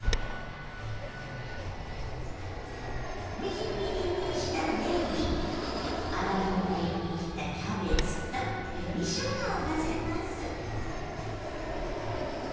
みじん切りにしたねぎ粗みじんに切ったキャベツと紅しょうがを混ぜます。